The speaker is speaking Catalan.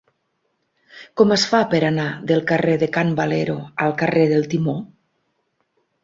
Com es fa per anar del carrer de Can Valero al carrer del Timó?